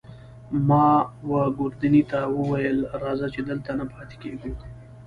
ما وه ګوردیني ته وویل: راځه، چې دلته نه پاتې کېږو.